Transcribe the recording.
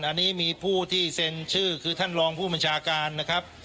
อันนี้มีผู้ที่เซ็นชื่อคือท่านรองผู้บัญชาการนะครับ